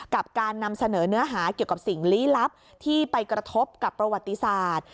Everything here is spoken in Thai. การนำเสนอเนื้อหาเกี่ยวกับสิ่งลี้ลับที่ไปกระทบกับประวัติศาสตร์